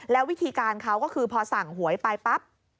แล้ววิธีการเขาก็คือพอสั่งหวยไปปั๊บ